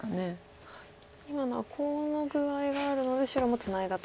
今のはコウの具合があるので白もツナいだと。